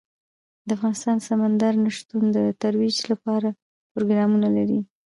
افغانستان د سمندر نه شتون د ترویج لپاره پروګرامونه لري.